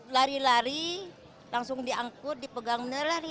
lari lari langsung diangkut dipegang lari